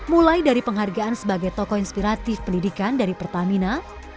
mulai dari penghargaan sebagai tokoh inspiratif pendidikan dari pertamina